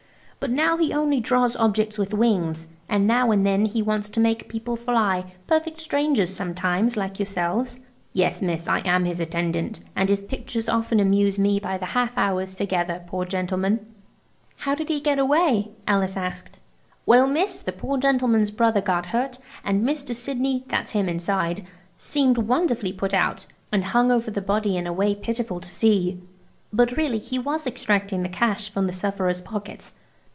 But now he only draws objects with wings–and now and then he wants to make people fly–perfect strangers sometimes, like yourselves. Yes, miss, I am his attendant, and his pictures often amuse me by the half hours together, poor gentleman." "How did he get away?" Alice asked "Well, miss, the poor gentleman's brother got hurt and Mr. Sidney–that's him inside–seemed wonderfully put out, and hung over the body in a way pitiful to see. But really he was extracting the cash from the sufferer's pockets.